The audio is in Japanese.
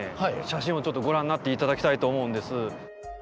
写真をちょっとご覧になって頂きたいと思うんです。